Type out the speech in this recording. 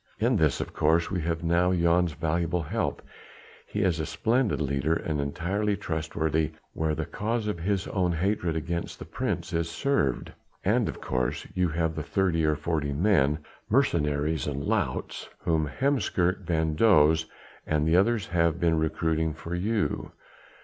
In this, of course, we have now Jan's valuable help; he is a splendid leader and entirely trustworthy where the cause of his own hatred against the Prince is served." "And, of course, you have the thirty or forty men mercenaries and louts whom Heemskerk, van Does and the others have been recruiting for you."